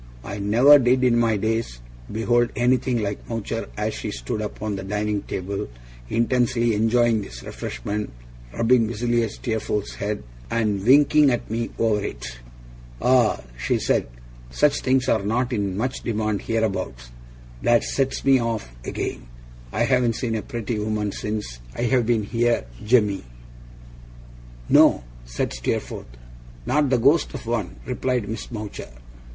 I never did in my days behold anything like Mowcher as she stood upon the dining table, intensely enjoying this refreshment, rubbing busily at Steerforth's head, and winking at me over it. 'Ah!' she said. 'Such things are not much in demand hereabouts. That sets me off again! I haven't seen a pretty woman since I've been here, jemmy.' 'No?' said Steerforth. 'Not the ghost of one,' replied Miss Mowcher.